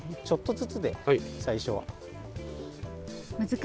ちょっとずつで最初は。